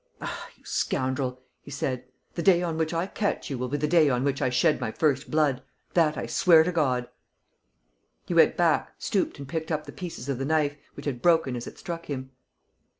"Ah, you scoundrel!" he said. "The day on which I catch you will be the day on which I shed my first blood! That I swear to God! ..." He went back, stooped and picked up the pieces of the knife, which had broken as it struck him.